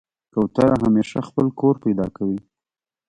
کوتره همیشه خپل کور پیدا کوي.